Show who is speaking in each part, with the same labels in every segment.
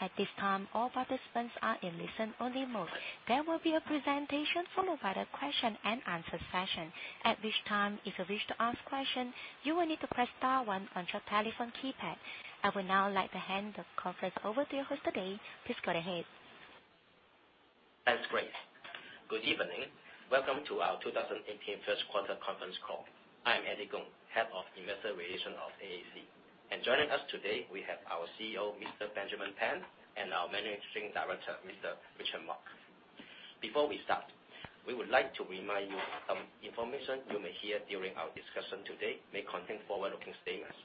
Speaker 1: At this time, all participants are in listen-only mode. There will be a presentation followed by the question-and-answer session. At which time, if you wish to ask question, you will need to press star one on your telephone keypad. I would now like to hand the conference over to your host today. Please go ahead.
Speaker 2: That's great. Good evening. Welcome to our 2018 first quarter conference call. I'm Eddie Gong, head of investor relation of AAC. Joining us today, we have our CEO, Mr. Benjamin Pan, and our managing director, Mr. Richard Mak. Before we start, we would like to remind you some information you may hear during our discussion today may contain forward-looking statements.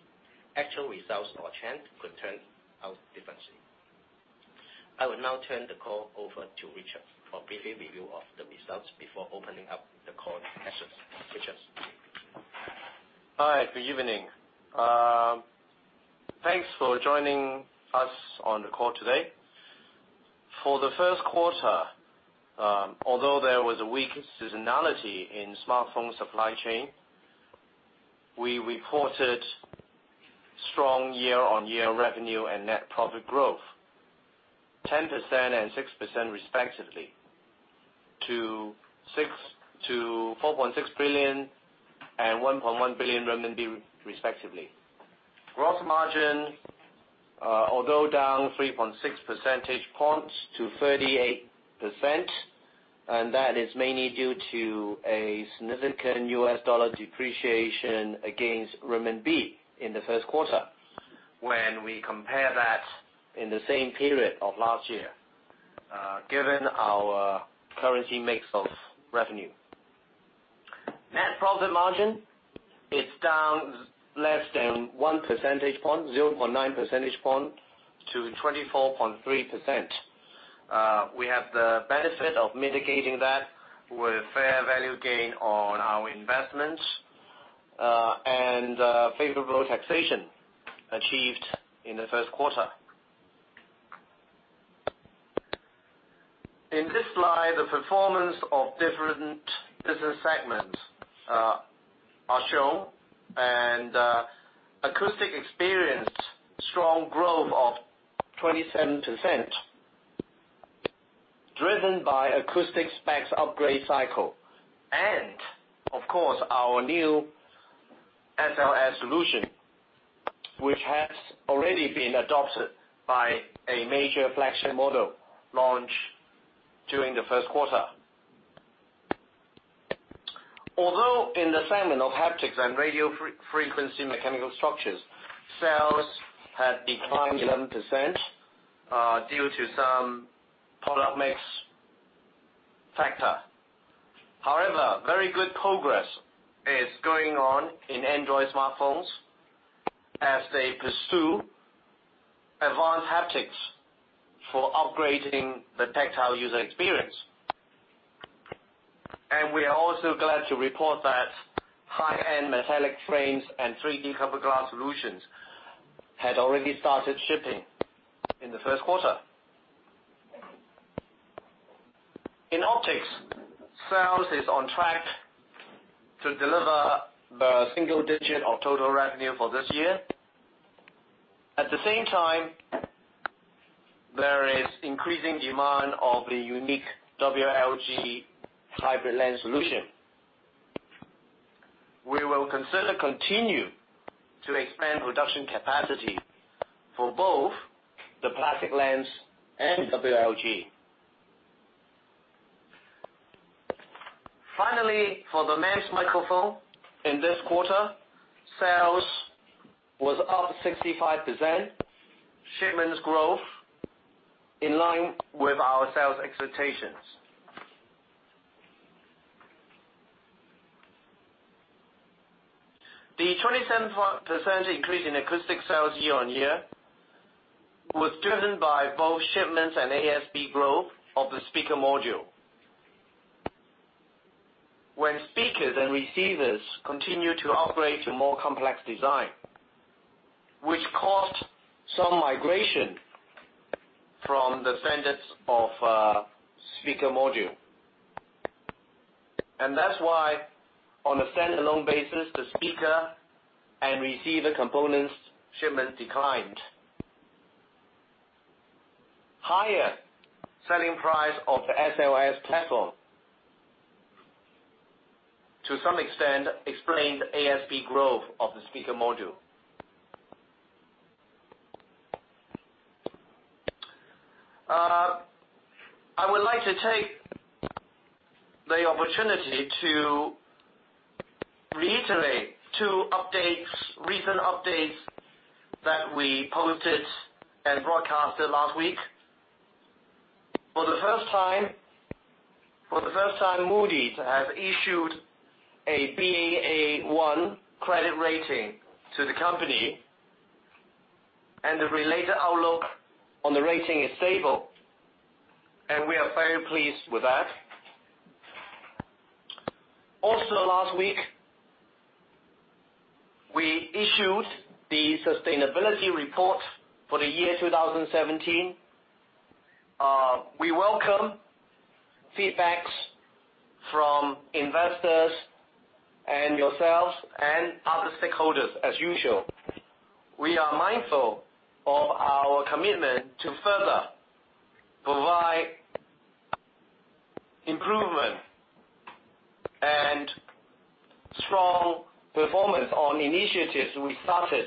Speaker 2: Actual results or trends could turn out differently. I would now turn the call over to Richard for a brief review of the results before opening up the call to questions. Richard.
Speaker 3: Hi, good evening. Thanks for joining us on the call today. For the first quarter, although there was a weak seasonality in smartphone supply chain, we reported strong year-on-year revenue and net profit growth, 10% and 6% respectively, to 4.6 billion and 1.1 billion renminbi respectively. Gross margin, although down 3.6 percentage points to 38%, that is mainly due to a significant US dollar depreciation against renminbi in the first quarter when we compare that in the same period of last year, given our currency mix of revenue. Net profit margin is down less than one percentage point, 0.9 percentage point to 24.3%. We have the benefit of mitigating that with fair value gain on our investments, and favorable taxation achieved in the first quarter. In this slide, the performance of different business segments are shown. Acoustic experienced strong growth of 27%, driven by acoustic specs upgrade cycle. Of course, our new SLS solution, which has already been adopted by a major flagship model launch during the first quarter. Although in the segment of haptics and RF mechanical structures, sales have declined 11% due to some product mix factor. However, very good progress is going on in Android smartphones as they pursue advanced haptics for upgrading the tactile user experience. We are also glad to report that high-end metallic frames and 3D cover glass solutions had already started shipping in the first quarter. In optics, sales is on track to deliver the single digit of total revenue for this year. At the same time, there is increasing demand of the unique WLG hybrid lens solution. We will consider continue to expand production capacity for both the plastic lens and WLG. Finally, for the MEMS microphone in this quarter, sales was up 65%, shipments growth in line with our sales expectations. The 27% increase in acoustic sales year-on-year was driven by both shipments and ASP growth of the speaker module. When speakers and receivers continue to operate to more complex design, which caused some migration from the standards of speaker module. That's why on a standalone basis, the speaker and receiver components shipment declined. Higher selling price of the SLS platform to some extent explained ASP growth of the speaker module. I would like to take the opportunity to reiterate two recent updates that we posted and broadcasted last week. For the first time, Moody's have issued a Baa1 credit rating to the company, and the related outlook on the rating is stable, and we are very pleased with that. Also last week, we issued the sustainability report for the year 2017. We welcome feedbacks from investors and yourselves and other stakeholders as usual. We are mindful of our commitment to further provide improvement and strong performance on initiatives we started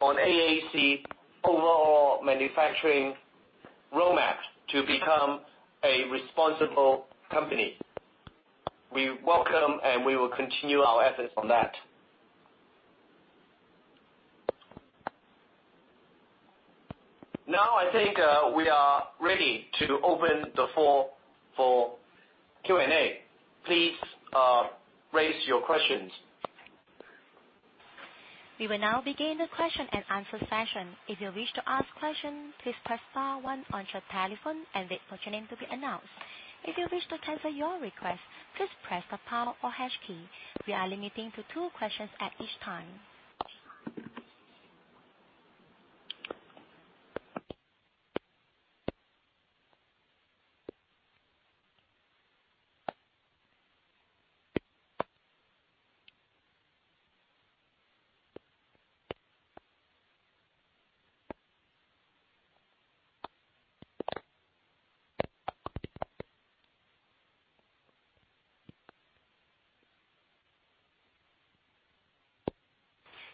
Speaker 3: on AAC overall manufacturing roadmap to become a responsible company. We welcome, and we will continue our efforts on that. Now, I think we are ready to open the floor for Q&A. Please raise your questions.
Speaker 1: We will now begin the question and answer session. If you wish to ask question, please press star one on your telephone and wait for your name to be announced. If you wish to cancel your request, please press the pound or hash key. We are limiting to two questions at each time.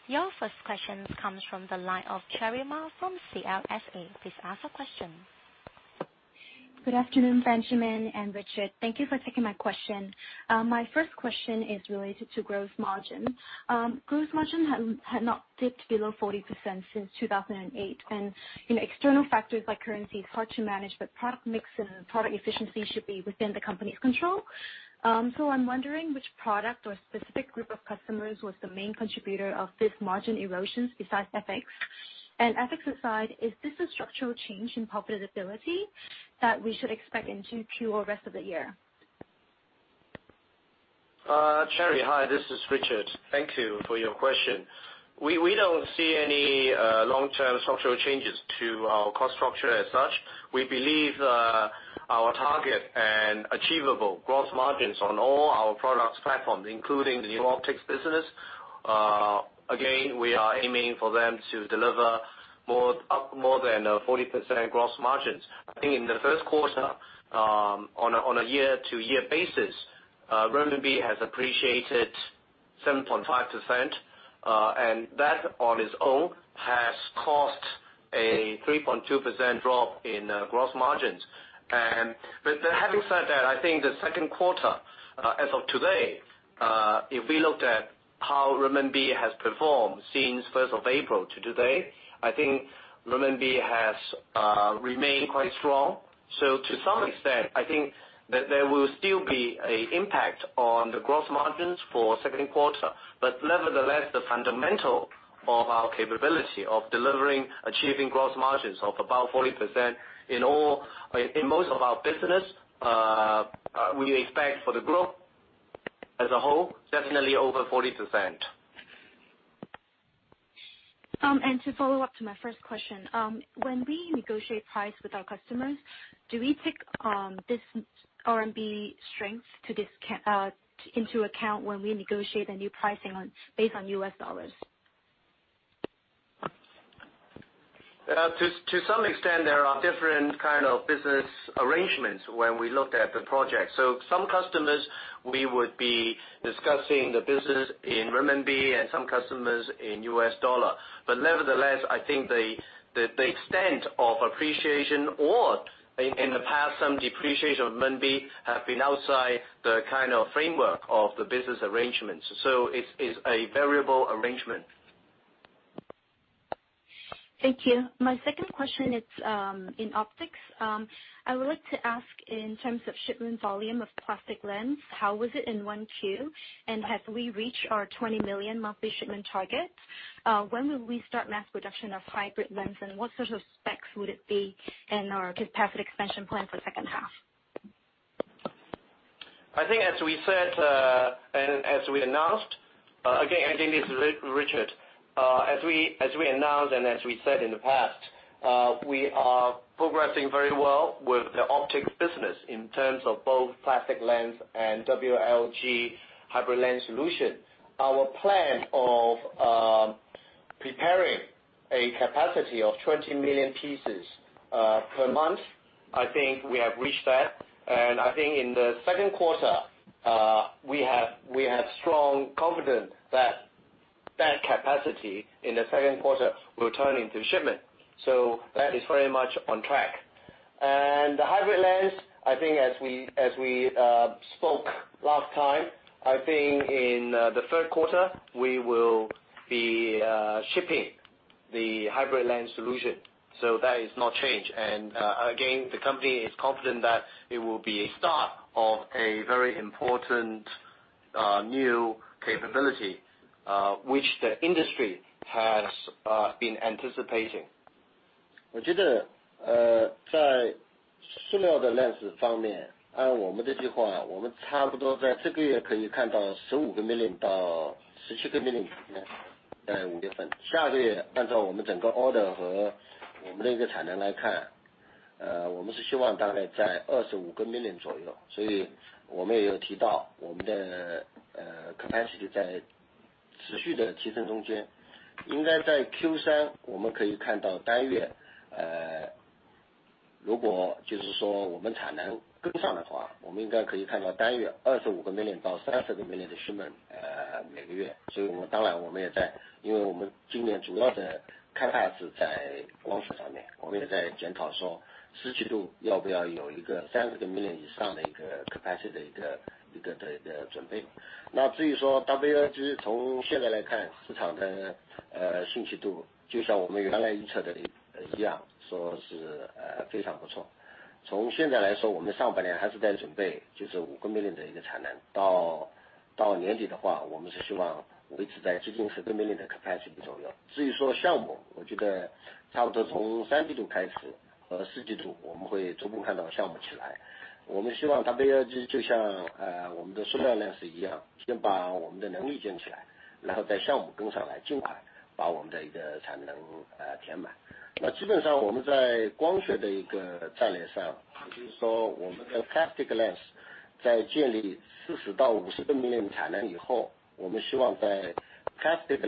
Speaker 1: Your first question comes from the line of Cherry Ma from CLSA. Please ask a question.
Speaker 4: Good afternoon, Benjamin and Richard. Thank you for taking my question. My first question is related to gross margin. Gross margin had not dipped below 40% since 2008. External factors like currency is hard to manage, but product mix and product efficiency should be within the company's control. I'm wondering which product or specific group of customers was the main contributor of this margin erosions besides FX. FX aside, is this a structural change in profitability that we should expect into Q or rest of the year?
Speaker 3: Cherry, hi. This is Richard. Thank you for your question. We don't see any long-term structural changes to our cost structure as such. We believe our target and achievable gross margins on all our products platforms, including the new optics business. Again, we are aiming for them to deliver more than 40% gross margins. I think in the first quarter, on a year-over-year basis, RMB has appreciated 7.5%, and that on its own has caused a 3.2% drop in gross margins. Having said that, I think the second quarter, as of today, if we looked at how RMB has performed since 1st of April to today, I think RMB has remained quite strong. To some extent, I think that there will still be an impact on the gross margins for second quarter. Nevertheless, the fundamental of our capability of delivering, achieving gross margins of about 40% in most of our business, we expect for the growth as a whole, definitely over 40%.
Speaker 4: To follow up to my first question, when we negotiate price with our customers, do we take this RMB strength into account when we negotiate a new pricing based on US dollars?
Speaker 3: To some extent, there are different business arrangements when we looked at the project. Some customers, we would be discussing the business in RMB and some customers in US dollar. Nevertheless, I think the extent of appreciation or in the past, some depreciation of RMB have been outside the kind of framework of the business arrangements. It's a variable arrangement.
Speaker 4: Thank you. My second question is in optics. I would like to ask in terms of shipment volume of plastic lens, how was it in 1Q? Have we reached our 20 million monthly shipment targets? When will we start mass production of hybrid lens? What sort of specs would it be in our capacity expansion plan for the second half?
Speaker 3: I think as we said as we announced. Again, I think this is Richard. As we announced as we said in the past, we are progressing very well with the optics business in terms of both plastic lens and WLG hybrid lens solution. Our plan of preparing a capacity of 20 million pieces per month, I think we have reached that. I think in the second quarter, we have strong confidence that that capacity in the second quarter will turn into shipment. That is very much on track. The hybrid lens, I think as we spoke last time, I think in the third quarter, we will be shipping the hybrid lens solution. That has not changed. Again, the company is confident that it will be a start of a very important new capability, which the industry has been anticipating.
Speaker 5: lens在建立40到50个million产能以后，我们希望在plastic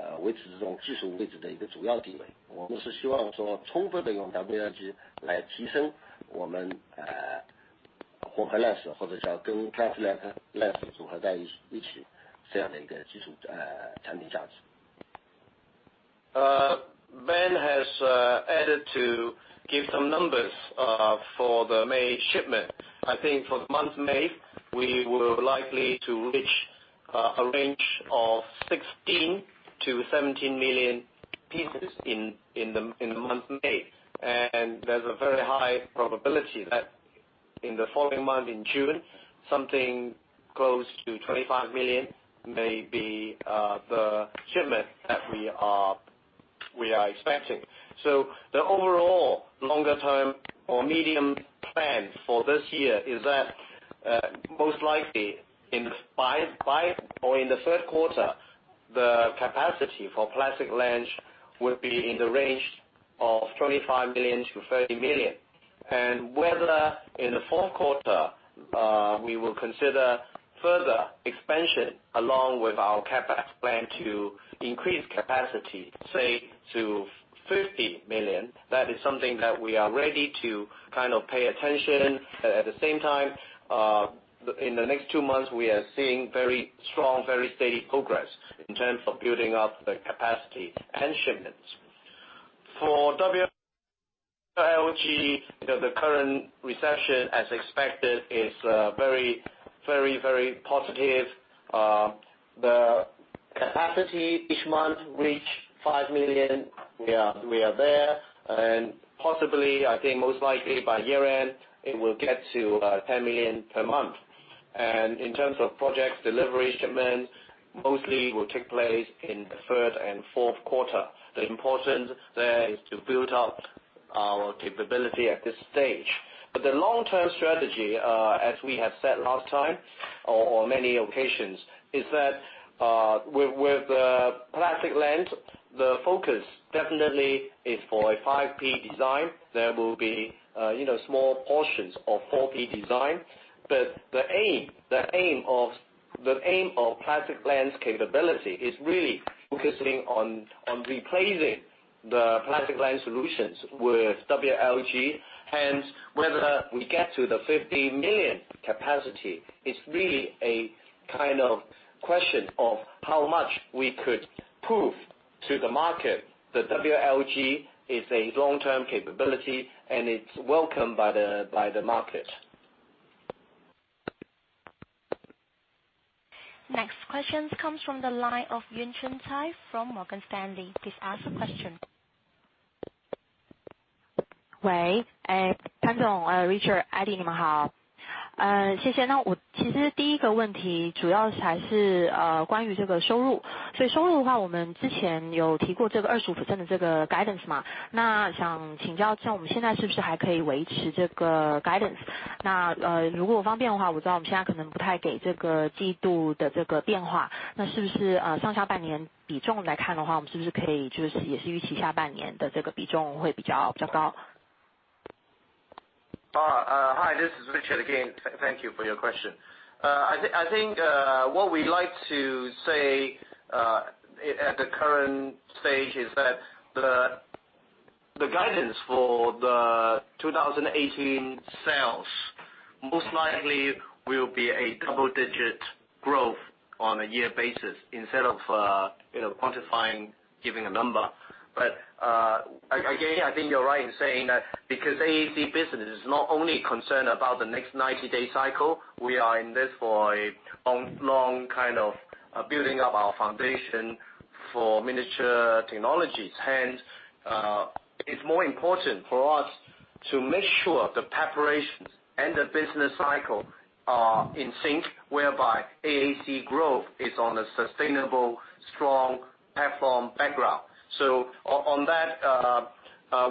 Speaker 5: lens上，绝大部分集中在5P，甚至我们希望说4P都是在这中间占很少的比例。同时在我们WLG上来以后，尽可能地把这个50个million的shipment能够往WLG这样的方向发展。所以我们用的光学的一个竞争策略，基本上还是说WLG是我们竞争的一个主要的位置，一个主要的地位。我们是希望说充分地用WLG来提升我们混合lens，或者叫跟glass lens组合在一起这样的产品价值。
Speaker 3: Ben has added to give some numbers for the May shipment. I think for the month May, we will likely to reach a range of 16 million-17 million pieces in the month May. There's a very high probability that in the following month, in June, something close to 25 million may be the shipment that we are expecting. The overall longer-term or medium plan for this year is that most likely by or in the third quarter, the capacity for plastic lens will be in the range of 25 million-30 million. Whether in the fourth quarter we will consider further expansion along with our CapEx plan to increase capacity, say to 50 million. That is something that we are ready to pay attention. At the same time, in the next two months, we are seeing very strong, very steady progress in terms of building up the capacity and shipments. For WLG, the current reception as expected is very, very, very positive. The capacity each month reach 5 million. We are there. Possibly, I think most likely by year-end, it will get to 10 million per month. In terms of projects delivery, shipment mostly will take place in the third and fourth quarter. The importance there is to build up our capability at this stage. The long-term strategy, as we have said last time or many occasions, is that with the plastic lens, the focus definitely is for a 5P design. There will be small portions of 4P design, but the aim of plastic lens capability is really focusing on replacing the plastic lens solutions with WLG. Whether we get to the 50 million capacity is really a question of how much we could prove to the market that WLG is a long-term capability and it's welcomed by the market.
Speaker 1: Next question comes from the line of Yunxin Cai from Morgan Stanley. Please ask your question.
Speaker 6: 喂，潘总，Richard，Eddie，你们好。谢谢。我其实第一个问题主要是关于收入。所以收入的话，我们之前有提过25%的guidance。那想请教一下，我们现在是不是还可以维持这个guidance？那如果方便的话，我知道我们现在可能不太给这个季度的变化，那是不是上下半年比重来看的话，我们是不是可以预计下半年的比重会比较高？
Speaker 3: Hi, this is Richard again. Thank you for your question. I think what we'd like to say at the current stage is that the guidance for the 2018 sales most likely will be a double-digit growth on a year basis, instead of quantifying, giving a number. Again, I think you're right in saying that because AAC business is not only concerned about the next 90-day cycle, we are in this for a long kind of building up our foundation for miniature technologies. It's more important for us to make sure the preparations and the business cycle are in sync, whereby AAC growth is on a sustainable, strong platform background. On that,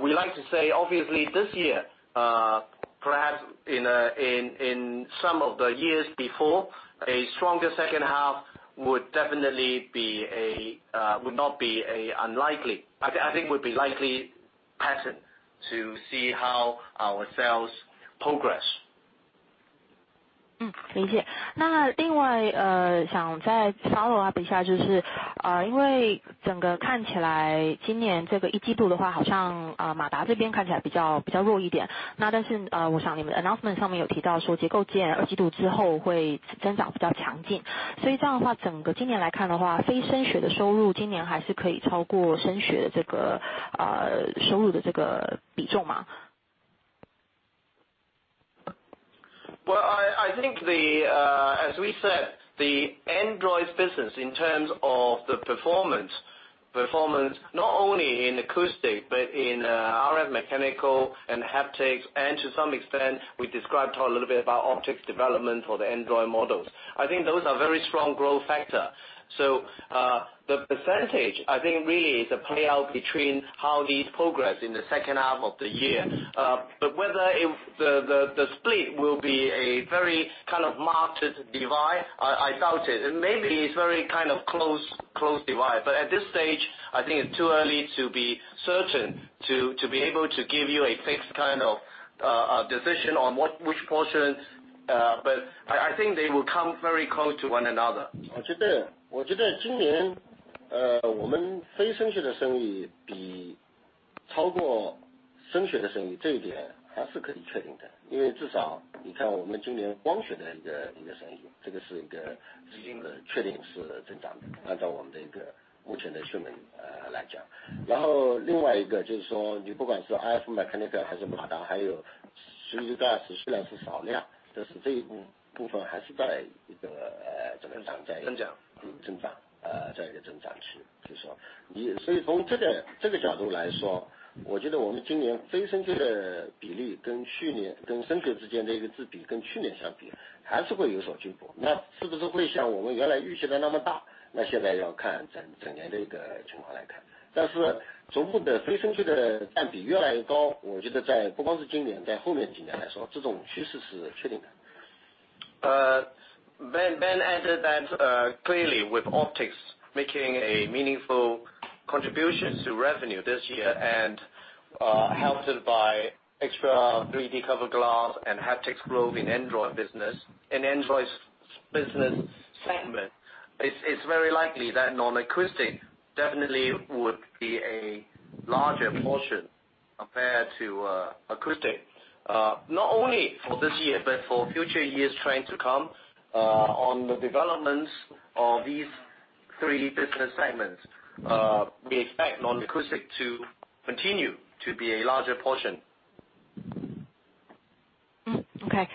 Speaker 3: we like to say obviously this year, perhaps in some of the years before, a stronger second half would not be unlikely. I think would be likely pattern to see how our sales progress. I think as we said, the Android business in terms of the performance not only in acoustic, but in RF mechanical and haptics, and to some extent, we described a little bit about optics development for the Android models. I think those are very strong growth factor. The percentage I think really is a play out between how these progress in the second half of the year. Whether the split will be a very marked divide, I doubt it. Maybe it's very kind of close divide. At this stage, I think it's too early to be certain to be able to give you a fixed kind of decision on which portion. I think they will come very close to one another.
Speaker 5: 我觉得今年我们非声学的生意超过声学的生意，这一点还是可以确定的，因为至少你看我们今年光学的生意，这个是一个确定的增长，按照我们目前的一个shipment来讲。然后另外一个就是说，你不管是RF mechanical还是马达，还有3D glass，虽然是少量，但是这一部分还是在增长。
Speaker 3: 增长。Ben answered that clearly with optics making a meaningful contribution to revenue this year and helped by extra 3D cover glass and haptics growth in Android business. In Android business segment, it is very likely that non-acoustic definitely would be a larger portion compared to acoustic, not only for this year, but for future years trying to come on the developments of these three business segments. We expect non-acoustic to continue to be a larger portion.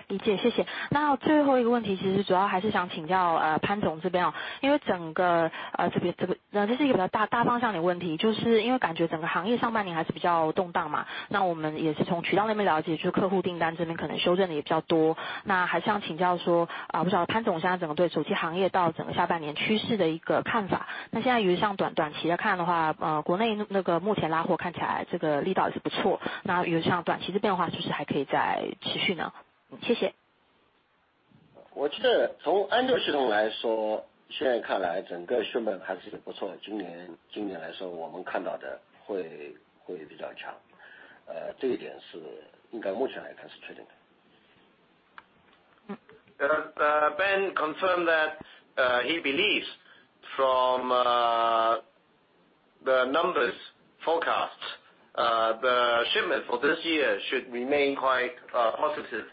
Speaker 6: 理解，谢谢。那最后一个问题其实主要还是想请教潘总这边，这是一个比较大方向的问题，因为感觉整个行业上半年还是比较动荡，我们也是从渠道那边了解，就是客户订单这边可能修正的也比较多。那还想请教，不知道潘总现在整个对手机行业到整个下半年趋势的一个看法，那现在像短期来看的话，国内目前拉货看起来力道还是不错，那像短期变化其实还可以再持续呢？谢谢。
Speaker 5: 我觉得从Android系统来说，现在看来整个shipment还是不错的，今年来说我们看到的会比较强，这一点是应该目前来看是确定的。
Speaker 3: Ben confirmed that he believes from the numbers forecasts, the shipment for this year should remain quite positive.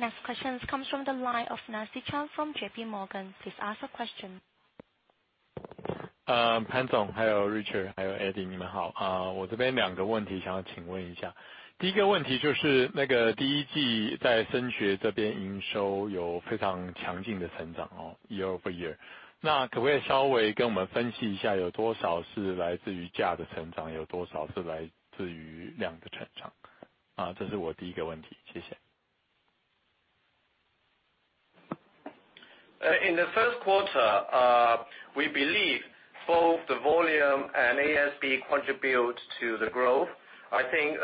Speaker 1: Next question comes from the line of Nancy Chang from JP Morgan. Please ask your question.
Speaker 7: 潘总，还有Richard，还有Eddie，你们好。我这边两个问题想要请问一下。第一个问题就是第一季在声学这边营收有非常强劲的成长，year-over-year。那可不可以稍微跟我们分析一下，有多少是来自于价的成长，有多少是来自于量的成长？这是我第一个问题。谢谢。
Speaker 3: In the first quarter, we believe both the volume and ASP contribute to the growth. I think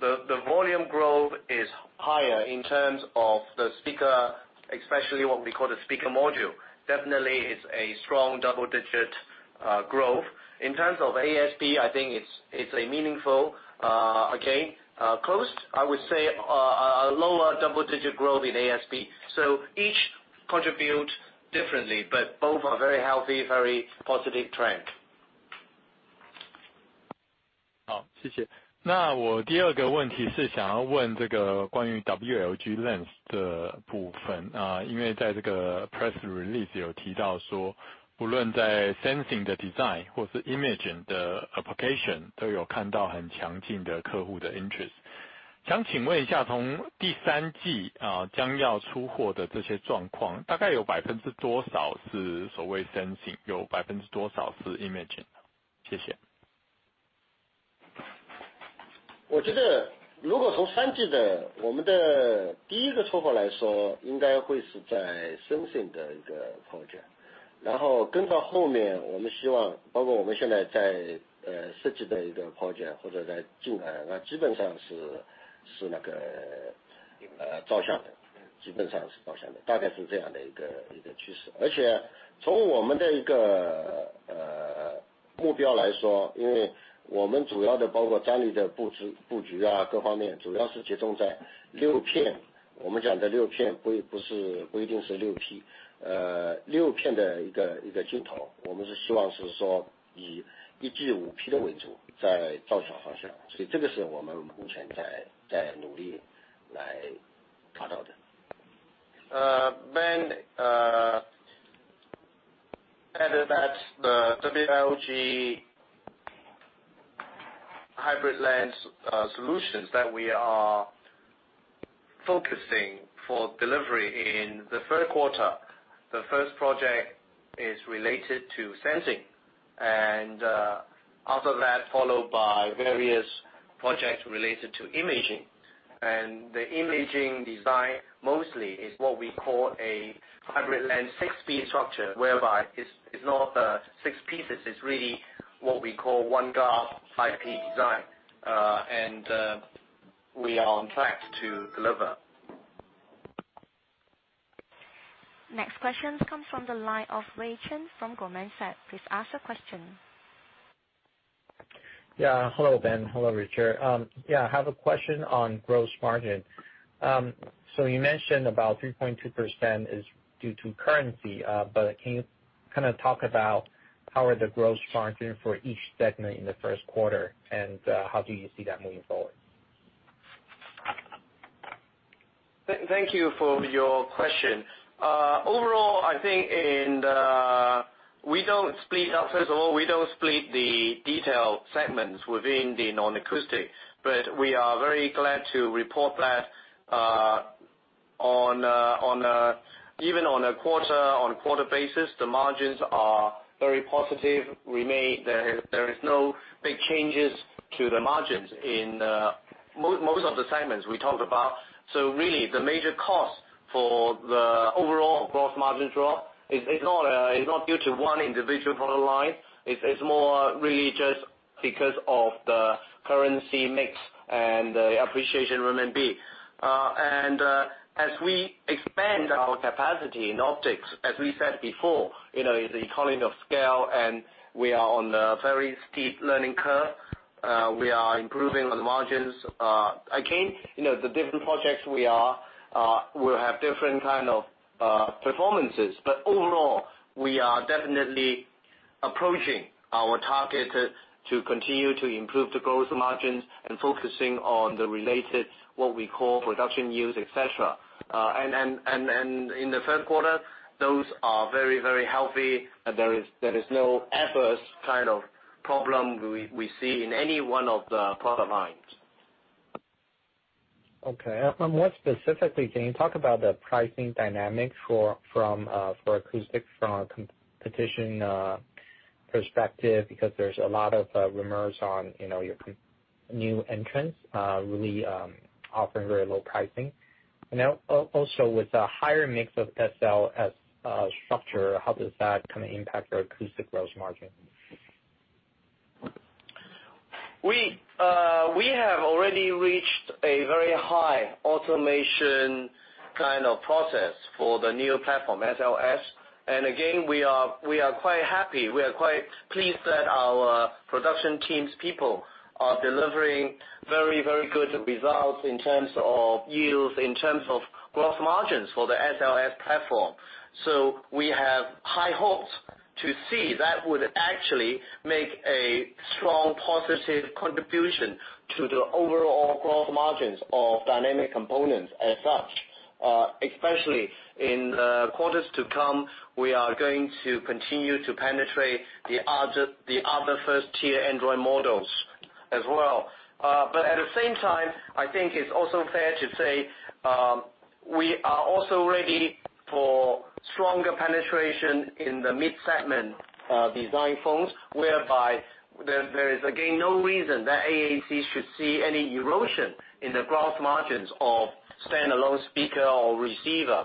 Speaker 3: the volume growth is higher in terms of the speaker, especially what we call the speaker module. Definitely it is a strong double-digit growth. In terms of ASP, I think it is meaningful. Again, close, I would say a lower double-digit growth in ASP. Each contribute differently, but both are very healthy, very positive trend.
Speaker 7: 好，谢谢。那我第二个问题是想要问关于WLG Lens的部分，因为在这个press
Speaker 3: Ben, that's the WLG hybrid lens solutions that we are focusing for delivery in the third quarter. The first project is related to sensing. After that, followed by various projects related to imaging. The imaging design mostly is what we call a hybrid lens 6P structure, whereby it's not six pieces, it's really what we call one glass high P design. We are on track to deliver.
Speaker 1: Next question comes from the line of Ray Chen from Comantrec. Please ask your question.
Speaker 8: Hello, Ben. Hello, Richard. I have a question on gross margin. You mentioned about 3.2% is due to currency, but can you kind of talk about how are the gross margin for each segment in the first quarter and how do you see that moving forward?
Speaker 3: Thank you for your question. Overall, I think first of all, we don't split the detailed segments within the non-acoustic, but we are very glad to report that even on a quarter-on-quarter basis, the margins are very positive. There is no big changes to the margins in most of the segments we talked about. Really, the major cost for the overall gross margin drop is not due to one individual product line, it's more really just because of the currency mix and the appreciation Renminbi. As we expand our capacity in optics, as we said before, the economy of scale, and we are on a very steep learning curve, we are improving on margins. Again, the different projects will have different kind of performances. Overall, we are definitely approaching our target to continue to improve the gross margins and focusing on the related, what we call production yields, etc. In the first quarter, those are very healthy, and there is no adverse kind of problem we see in any one of the product lines.
Speaker 8: Okay. More specifically, can you talk about the pricing dynamics for acoustics from a competition perspective? There's a lot of rumors on your new entrants really offering very low pricing. Also with a higher mix of SLS structure, how does that kind of impact your acoustic gross margin?
Speaker 3: We have already reached a very high automation kind of process for the new platform, SLS. Again, we are quite happy, we are quite pleased that our production teams people are delivering very good results in terms of yields, in terms of gross margins for the SLS platform. We have high hopes to see that would actually make a strong positive contribution to the overall gross margins of dynamic components as such. Especially in the quarters to come, we are going to continue to penetrate the other first-tier Android models as well. At the same time, I think it's also fair to say we are also ready for stronger penetration in the mid-segment design phones, whereby there is again, no reason that AAC should see any erosion in the gross margins of standalone speaker or receiver.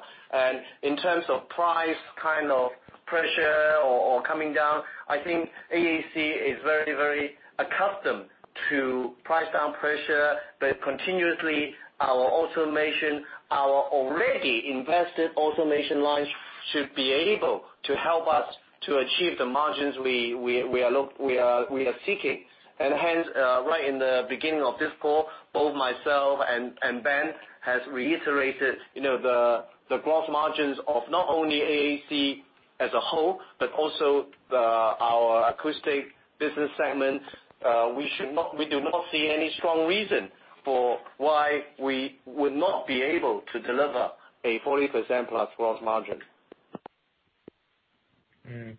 Speaker 3: In terms of price kind of pressure or coming down, I think AAC is very accustomed to price down pressure, but continuously our automation, our already invested automation lines should be able to help us to achieve the margins we are seeking. Hence, right in the beginning of this call, both myself and Ben has reiterated the growth margins of not only AAC as a whole, but also our acoustic business segment. We do not see any strong reason for why we would not be able to deliver a 40% plus growth margin.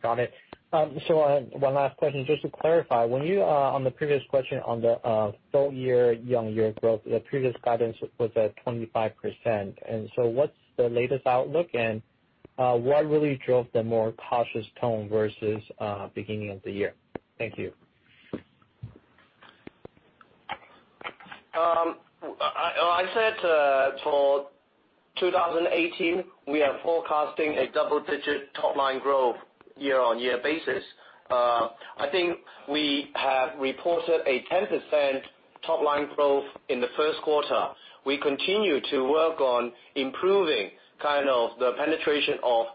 Speaker 8: Got it. One last question, just to clarify, on the previous question on the full year-on-year growth, the previous guidance was at 25%, what's the latest outlook and what really drove the more cautious tone versus beginning of the year? Thank you.
Speaker 3: I said for 2018, we are forecasting a double-digit top-line growth year-on-year basis. I think we have reported a 10% top-line growth in the first quarter. We continue to work on improving the penetration of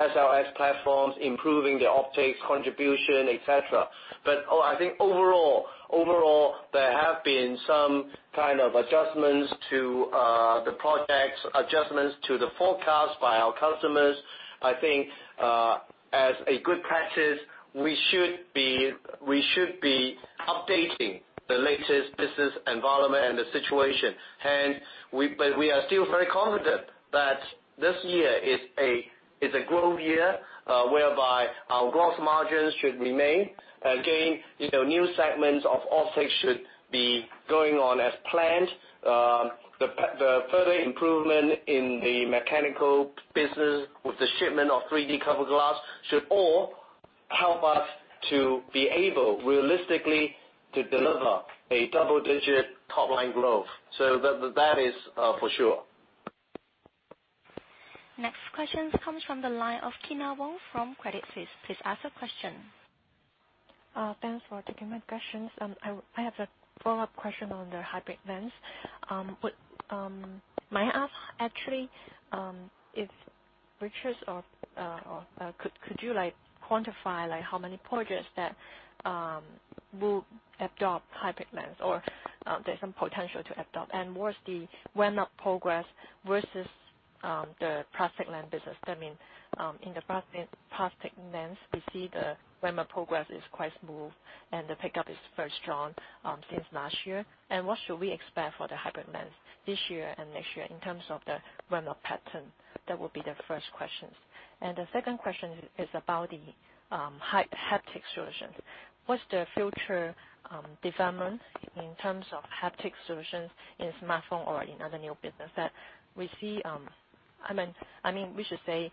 Speaker 3: SLS platforms, improving the optics contribution, et cetera. I think overall, there have been some kind of adjustments to the projects, adjustments to the forecast by our customers. I think as a good practice, we should be updating the latest business environment and the situation. We are still very confident that this year is a growth year, whereby our growth margins should remain. Again, new segments of optics should be going on as planned. The further improvement in the mechanical business with the shipment of 3D cover glass should all help us to be able, realistically, to deliver a double-digit top-line growth. That is for sure.
Speaker 1: Next question comes from the line of Kyna Wong from Credit Suisse. Please ask the question.
Speaker 9: Thanks for taking my questions. I have a follow-up question on the hybrid lens. May I ask, actually, if Richard, could you quantify how many projects that will adopt hybrid lens or there's some potential to adopt? What's the ramp-up progress versus the plastic lens business? I mean, in the plastic lens, we see the ramp-up progress is quite smooth, the pickup is very strong since last year. What should we expect for the hybrid lens this year and next year in terms of the ramp-up pattern? That would be the first question. The second question is about the haptic solutions. What's the future development in terms of haptic solutions in smartphone or in other new business that we see? We should say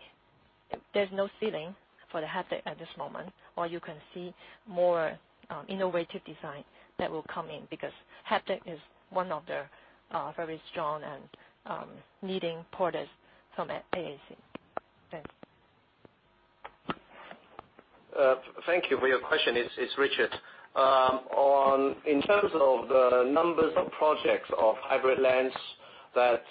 Speaker 9: there's no ceiling for the haptic at this moment, or you can see more innovative design that will come in because haptic is one of the very strong and needing products from AAC. Thanks.
Speaker 3: Thank you for your question. It's Richard. In terms of the numbers of projects of hybrid lens that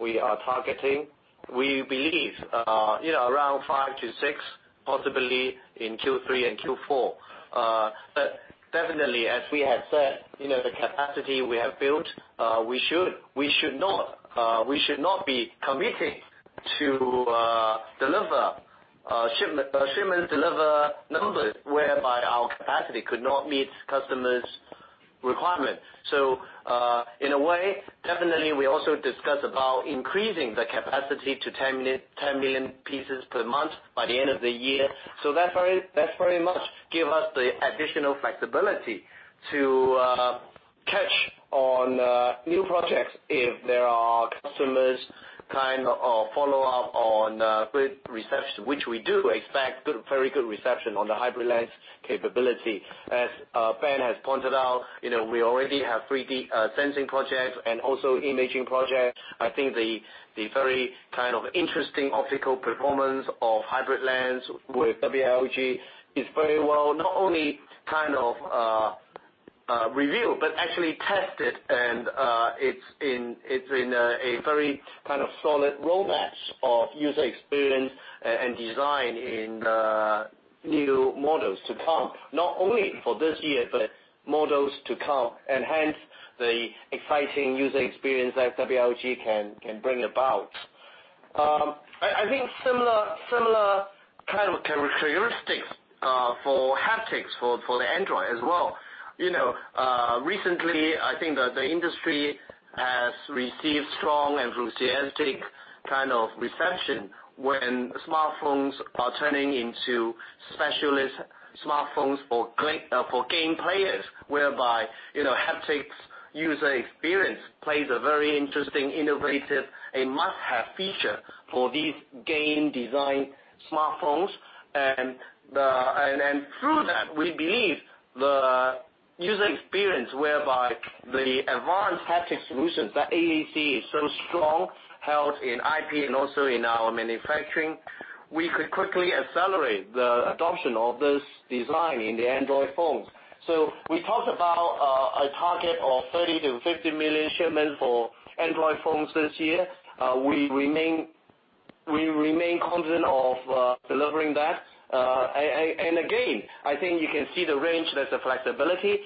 Speaker 3: we are targeting, we believe around five to six, possibly in Q3 and Q4. Definitely, as we have said, the capacity we have built, we should not be committing to shipments deliver numbers whereby our capacity could not meet customers' requirements. In a way, definitely we also discuss about increasing the capacity to 10 million pieces per month by the end of the year. That very much give us the additional flexibility to catch on new projects if there are customers follow up on great reception, which we do expect very good reception on the hybrid lens capability. As Ben has pointed out, we already have 3D sensing projects and also imaging projects. I think the very interesting optical performance of hybrid lens with WLG is very well, not only revealed, but actually tested, and it's in a very solid roadmap of user experience and design in the new models to come, not only for this year, but models to come, and hence the exciting user experience that WLG can bring about. I think similar kind of characteristics for haptics for the Android as well. Recently, I think that the industry has received strong enthusiastic reception when smartphones are turning into specialist smartphones for game players, whereby haptics user experience plays a very interesting, innovative, a must-have feature for these game design smartphones. Through that, we believe the user experience whereby the advanced haptic solutions that AAC is so strong, held in IP and also in our manufacturing. We could quickly accelerate the adoption of this design in the Android phones. We talked about a target of 30 million-50 million shipments for Android phones this year. We remain confident of delivering that. Again, I think you can see the range, there's a flexibility,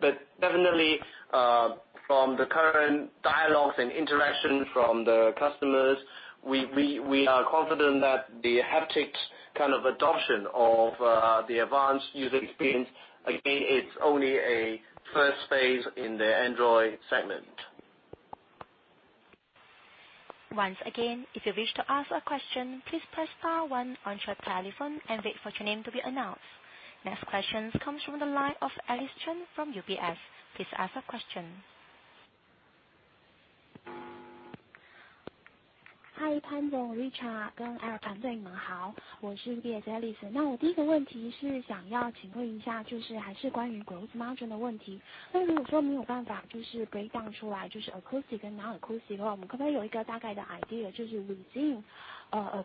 Speaker 3: but definitely from the current dialogues and interaction from the customers, we are confident that the haptics adoption of the advanced user experience, again, it's only a first phase in the Android segment.
Speaker 1: Once again, if you wish to ask a question, please press star one on your telephone and wait for your name to be announced. Next questions comes from the line of Alice Chen from UBS. Please ask a question.
Speaker 10: Hi, Pan. I am Richard. UBS, Alice.
Speaker 3: In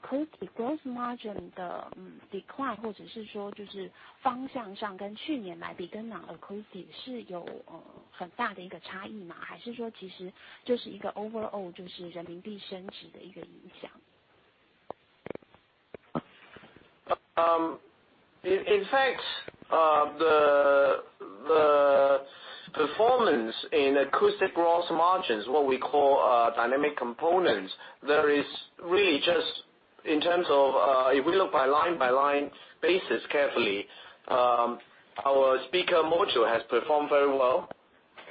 Speaker 3: fact, the performance in acoustic gross margins, what we call dynamic components, if we look by line by line basis carefully, our speaker module has performed very well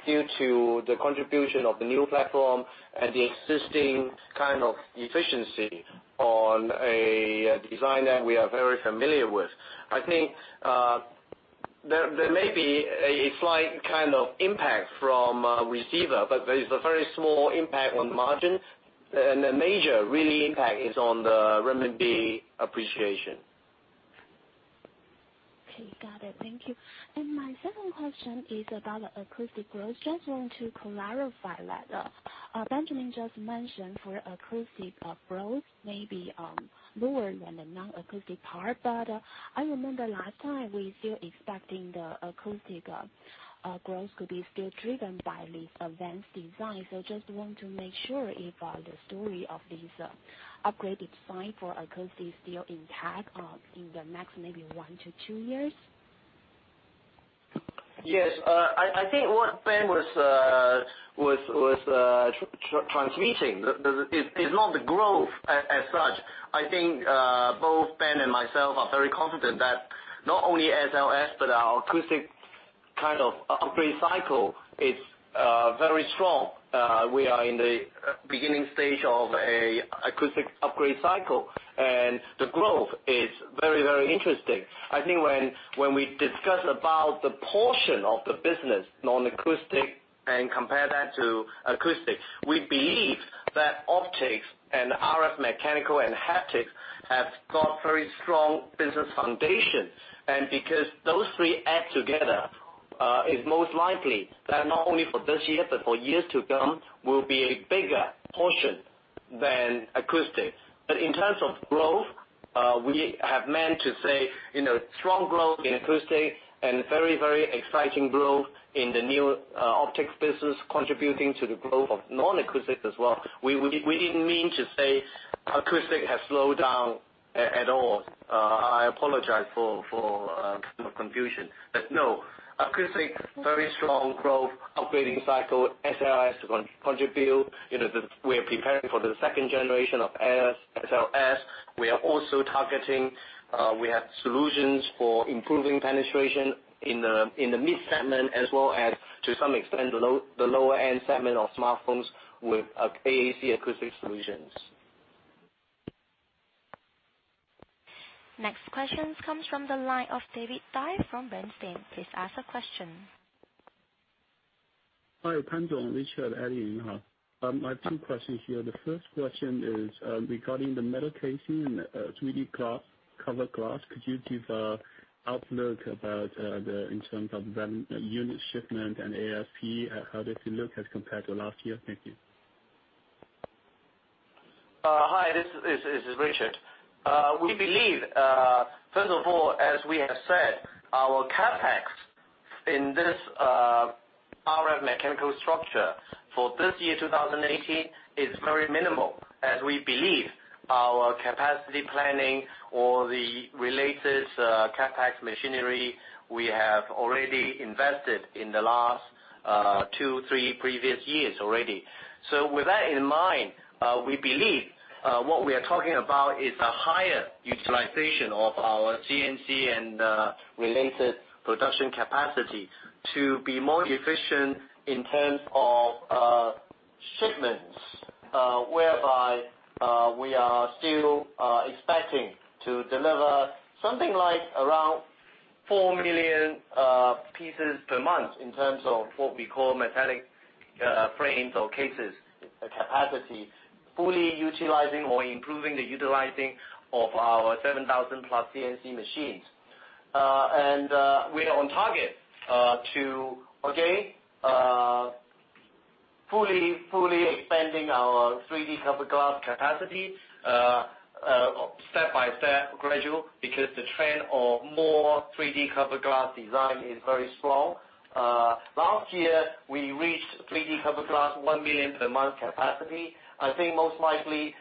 Speaker 3: due to the contribution of the new platform and the existing efficiency on a design that we are very familiar with. I think there may be a slight impact from receiver, but there is a very small impact on margin. The major really impact is on the renminbi appreciation.
Speaker 10: Okay. Got it. Thank you. My second question is about the acoustic growth. Just want to clarify that. Benjamin just mentioned for acoustic growth maybe lower than the non-acoustic part, but I remember last time we still expecting the acoustic growth could be still driven by these events design. Just want to make sure if the story of this upgraded design for acoustic still intact in the next maybe one to two years.
Speaker 3: Yes. I think what Ben was transmitting, it's not the growth as such. I think, both Ben and myself are very confident that not only SLS, but our acoustic upgrade cycle is very strong. We are in the beginning stage of a acoustic upgrade cycle, and the growth is very interesting. I think when we discuss about the portion of the business, non-acoustic and compare that to acoustic, we believe that optics and RF mechanical and haptics have got very strong business foundation. Because those three add together, is most likely that not only for this year, but for years to come, will be a bigger portion than acoustic. In terms of growth, we have meant to say strong growth in acoustic and very exciting growth in the new optics business contributing to the growth of non-acoustic as well. We didn't mean to say acoustic has slowed down at all. I apologize for kind of confusion. No, acoustic, very strong growth, upgrading cycle, SLS contribute. We are preparing for the second generation of SLS. We are also targeting, we have solutions for improving penetration in the mid-segment as well as to some extent, the lower-end segment of smartphones with AAC acoustic solutions.
Speaker 1: Next questions comes from the line of David Dai from Bernstein. Please ask a question.
Speaker 11: Hi, Pan. This is Richard. I have two questions here. The first question is, regarding the metal casing, 3D cover glass, could you give a outlook about in terms of unit shipment and ASP, how does it look as compared to last year? Thank you.
Speaker 3: Hi, this is Richard. We believe, first of all, as we have said, our CapEx in this RF mechanical structure for this year 2018, is very minimal, as we believe our capacity planning or the related CapEx machinery, we have already invested in the last two, three previous years already. With that in mind, we believe, what we are talking about is a higher utilization of our CNC and related production capacity to be more efficient in terms of shipments, whereby, we are still expecting to deliver something like around 4 million pieces per month in terms of what we call metallic frames or cases capacity, fully utilizing or improving the utilizing of our 7,000 plus CNC machines. We are on target to, again, fully expanding our 3D cover glass capacity, step by step gradual, because the trend of more 3D cover glass design is very strong. Last year, we reached 3D cover glass 1 million per month capacity. I think most likely,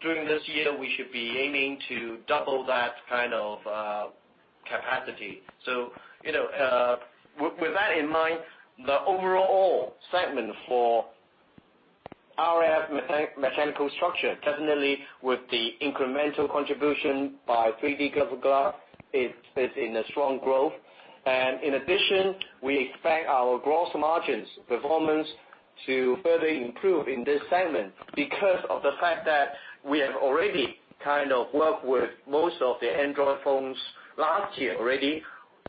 Speaker 3: during this year, we should be aiming to double that capacity. With that in mind, the overall segment for RF mechanical structure, definitely with the incremental contribution by 3D cover glass, is in a strong growth. In addition, we expect our gross margins performance to further improve in this segment because of the fact that we have already worked with most of the Android phones last year already.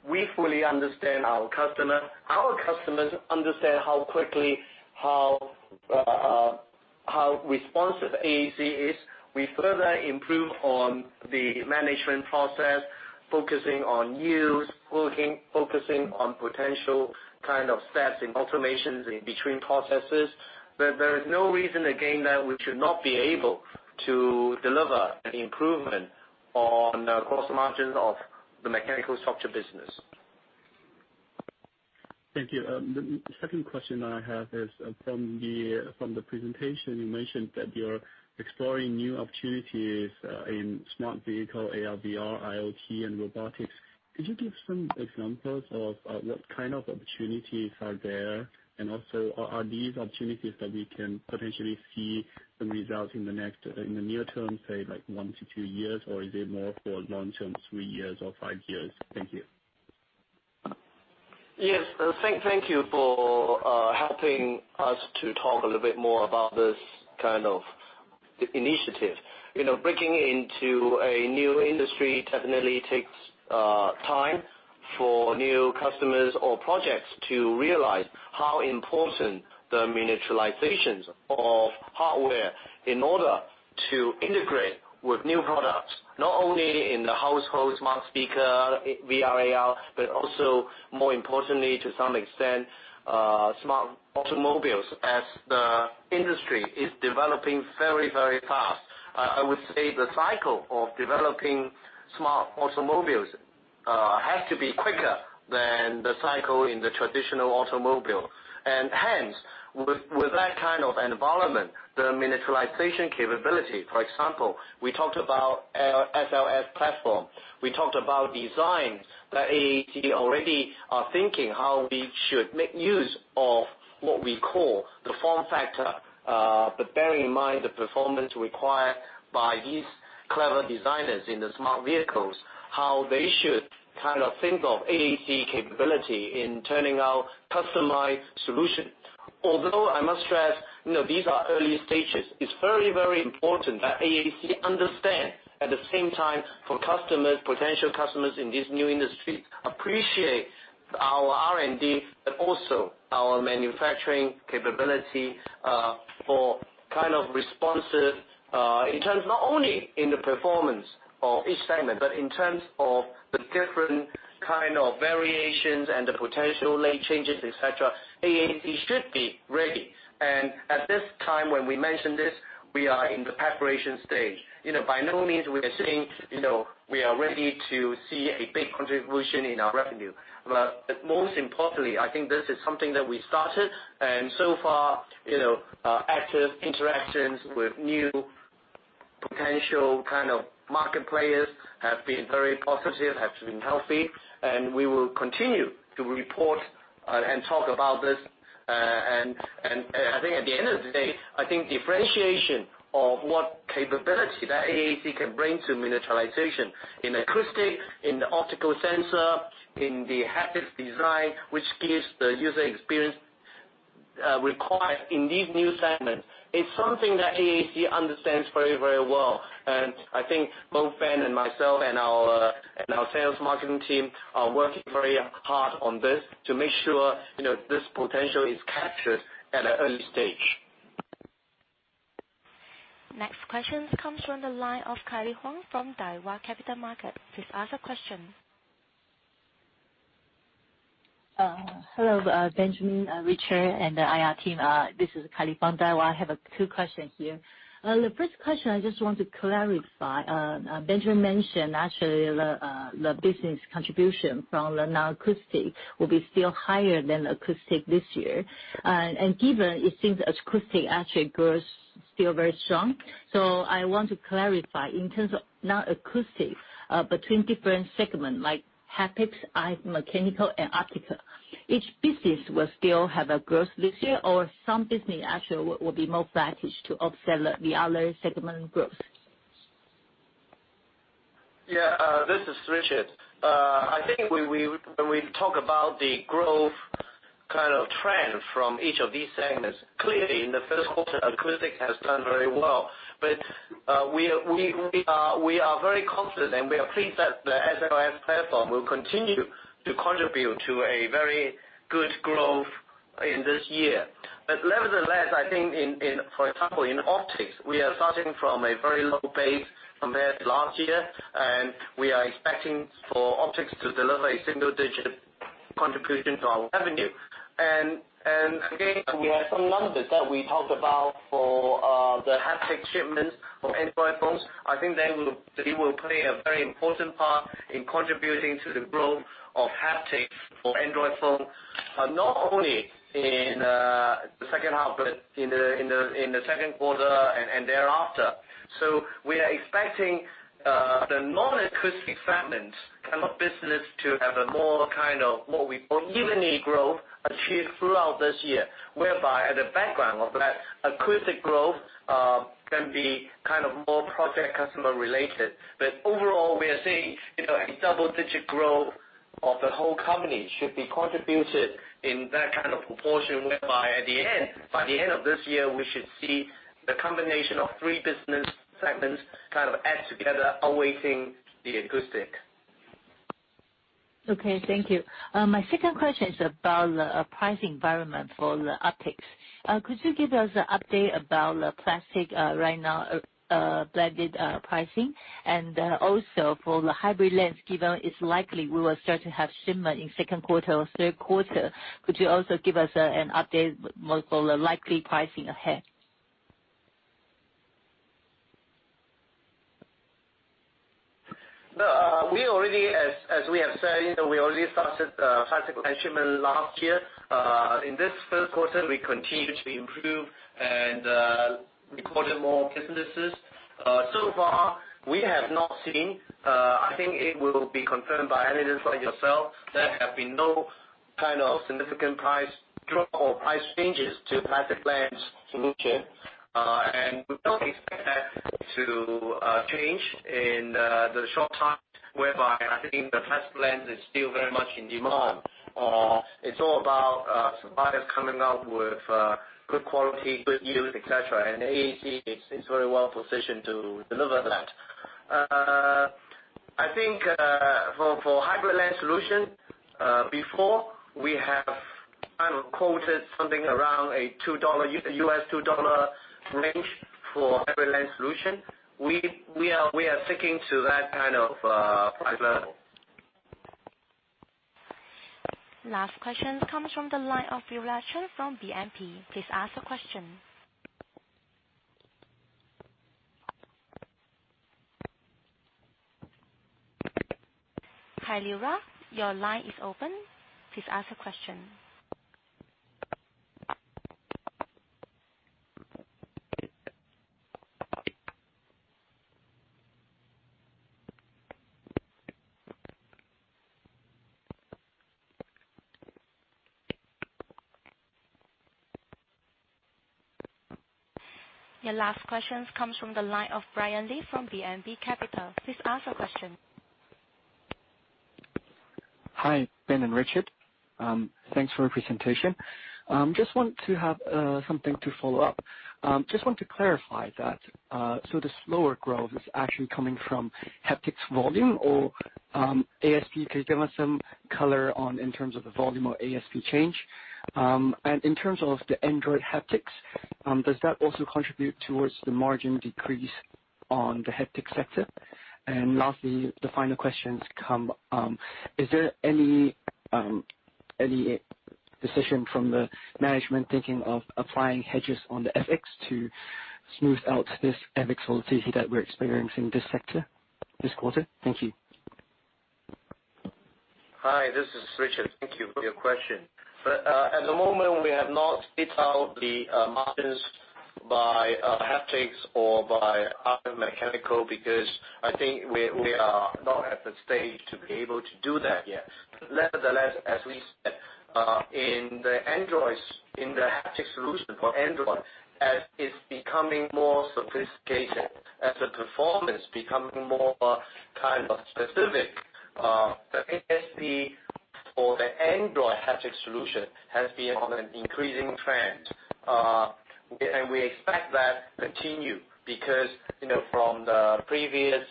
Speaker 3: We fully understand our customer. Our customers understand how quickly, how responsive AAC is. We further improve on the management process, focusing on use, focusing on potential kind of steps in automations in between processes. There is no reason, again, that we should not be able to deliver an improvement on the gross margins of the mechanical structure business.
Speaker 11: Thank you. The second question I have is, from the presentation, you mentioned that you're exploring new opportunities in smart vehicle, AR/VR, IoT, and robotics. Could you give some examples of what kind of opportunities are there? Also, are these opportunities that we can potentially see some results in the near term, say like one to two years or is it more for long-term, three years or five years? Thank you.
Speaker 3: Yes. Thank you for helping us to talk a little bit more about this kind of initiative. Breaking into a new industry definitely takes time for new customers or projects to realize how important the miniaturizations of hardware in order to integrate with new products, not only in the household smart speaker, VR/AR, but also more importantly, to some extent, smart automobiles, as the industry is developing very fast. I would say the cycle of developing smart automobiles has to be quicker than the cycle in the traditional automobile. Hence, with that kind of environment, the miniaturization capability, for example, we talked about SLS platform. We talked about designs that AAC already are thinking how we should make use of what we call the form factor. Bear in mind the performance required by these clever designers in the smart vehicles, how they should think of AAC capability in turning out customized solution. Although I must stress, these are early stages, it's very important that AAC understand, at the same time for potential customers in this new industry appreciate our R&D, but also our manufacturing capability, for kind of responses, in terms not only in the performance of each segment, but in terms of the different kind of variations and the potential lay changes, et cetera. AAC should be ready. At this time when we mention this, we are in the preparation stage. By no means we are saying we are ready to see a big contribution in our revenue. Most importantly, I think this is something that we started, and so far, active interactions with new potential kind of market players have been very positive, have been healthy, and we will continue to report and talk about this. I think at the end of the day, I think differentiation of what capability that AAC can bring to miniaturization in acoustic, in the optical sensor, in the haptic design, which gives the user experience required in these new segments. It's something that AAC understands very well. I think both Ben and myself and our sales marketing team are working very hard on this to make sure this potential is captured at an early stage.
Speaker 1: Next question comes from the line of Kylie Huang from Daiwa Capital Markets. Please ask your question.
Speaker 12: Hello, Benjamin, Richard, and the IR team. This is Kylie from Daiwa. I have two questions here. The first question I just want to clarify. Benjamin mentioned actually the business contribution from the non-acoustic will be still higher than acoustic this year. Given it seems acoustic actually grows still very strong. I want to clarify in terms of non-acoustic, between different segment like haptics, Mechanical, and Optical. Each business will still have a growth this year or some business actually will be more advantage to offset the other segment growth?
Speaker 3: Yeah. This is Richard Mak. When we talk about the growth trend from each of these segments, clearly in the first quarter, acoustic has done very well. We are very confident, and we are pleased that the SLS platform will continue to contribute to a very good growth in this year. Nevertheless, for example, in optics, we are starting from a very low base compared to last year, and we are expecting for optics to deliver a single-digit contribution to our revenue. Again, we have some numbers that we talked about for the haptic shipments for Android phones. They will play a very important part in contributing to the growth of haptics for Android phone. Not only in the second half, but in the second quarter and thereafter. We are expecting the non-acoustic segment kind of business to have a more kind of what we call evenly growth achieved throughout this year. Whereby at the background of that acoustic growth, can be kind of more project customer-related. Overall, we are seeing a double-digit growth of the whole company should be contributed in that kind of proportion, whereby by the end of this year, we should see the combination of three business segments kind of add together, awaiting the acoustic.
Speaker 12: Okay. Thank you. My second question is about the pricing environment for the optics. Could you give us an update about the plastic right now, blended pricing? Also for the hybrid lens, given it's likely we will start to have shipment in second quarter or third quarter, could you also give us an update for the likely pricing ahead?
Speaker 3: No. As we have said, we already started plastic lens shipment last year. In this first quarter, we continued to improve and recorded more businesses. So far, we have not seen, I think it will be confirmed by analysts like yourself, there have been no kind of significant price drop or price changes to plastic lens solution. We don't expect that to change in the short term, whereby I think the plastic lens is still very much in demand. It's all about suppliers coming up with good quality, good yield, et cetera, and AAC is very well positioned to deliver that. I think for hybrid lens solution, before we have kind of quoted something around a US $2 range for every lens solution. We are sticking to that kind of price level.
Speaker 1: Last question comes from the line of Laura Chen from BNP. Please ask a question. Hi, Laura, your line is open. Please ask a question. Your last question comes from the line of Brian Li from BNP Paribas. Please ask a question.
Speaker 13: Hi, Ben and Richard. Thanks for your presentation. Just want to have something to follow up. Just want to clarify that, the slower growth is actually coming from haptics volume or ASP? Could you give us some color on in terms of the volume or ASP change? In terms of the Android haptics, does that also contribute towards the margin decrease on the haptic sector? Lastly, the final questions come, is there any decision from the management thinking of applying hedges on the FX to smooth out this FX volatility that we're experiencing this sector this quarter? Thank you.
Speaker 3: Hi, this is Richard. Thank you for your question. At the moment, we have not split out the margins by haptics or by other mechanical, because I think we are not at the stage to be able to do that yet. Nevertheless, as we said, in the haptic solution for Android, as it's becoming more sophisticated, as the performance become more kind of specific, the ASP for the Android haptic solution has been on an increasing trend. We expect that continue because, from the previous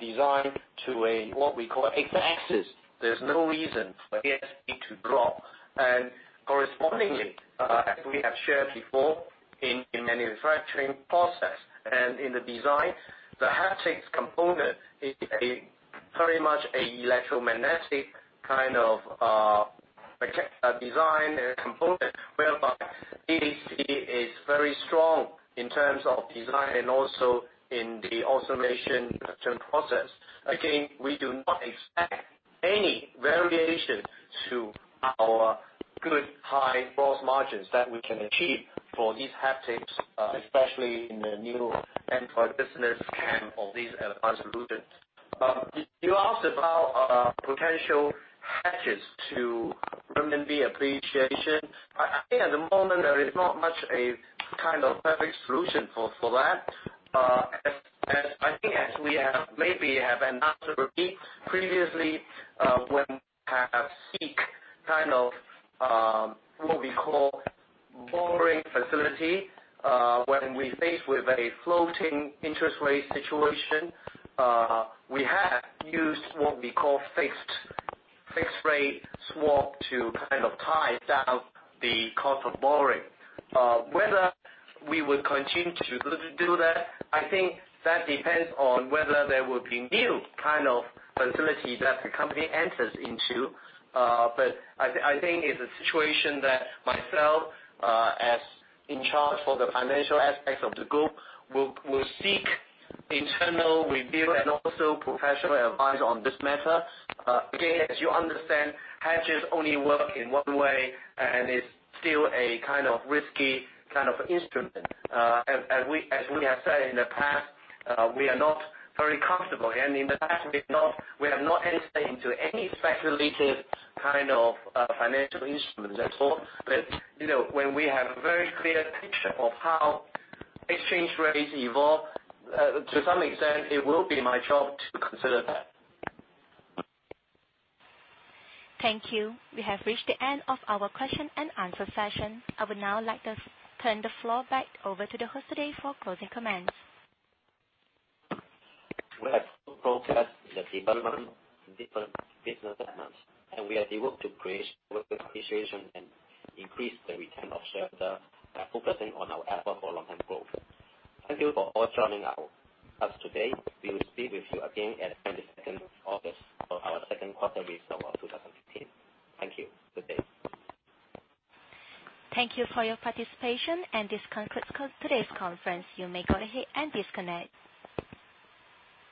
Speaker 3: design to a, what we call, eight axes, there's no reason for ASP to drop. Correspondingly, as we have shared before, in manufacturing process and in the design, the haptics component is very much a electromagnetic kind of design and component, whereby AAC is very strong in terms of design and also in the automation return process. Again, we do not expect any variation to our good high gross margins that we can achieve for these haptics, especially in the new Android business and all these advanced solutions. You asked about potential hedges to renminbi appreciation. I think at the moment, there is not much a kind of perfect solution for that. I think as we maybe have announced already previously, when we have seek kind of what we call borrowing facility, when we faced with a floating interest rate situation, we have used what we call fixed rate swap to kind of tie down the cost of borrowing. Whether we would continue to do that, I think that depends on whether there will be new kind of facility that the company enters into. I think it's a situation that myself, as in charge for the financial aspects of the group, will seek internal review and also professional advice on this matter. Again, as you understand, hedges only work in one way and it's still a kind of risky instrument. As we have said in the past, we are not very comfortable. In the past, we have not entered into any speculative kind of financial instruments at all. When we have a very clear picture of how exchange rates evolve, to some extent, it will be my job to consider that.
Speaker 1: Thank you. We have reached the end of our question and answer session. I would now like to turn the floor back over to the host today for closing comments.
Speaker 3: We have to process the development in different business segments, and we are able to create appreciation and increase the return of shareholder by focusing on our effort for long-term growth. Thank you for all joining us today. We will speak with you again at 22nd of August for our second quarter results of 2018. Thank you. Good day.
Speaker 1: Thank you for your participation, and this concludes today's conference. You may go ahead and disconnect.